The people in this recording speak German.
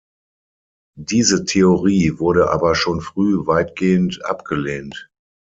Diese Theorie wurde aber schon früh weitgehend abgelehnt.